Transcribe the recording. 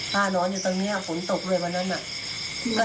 ฆ่านอนอยู่ตรงนี้ผลตกเลยวันนั้น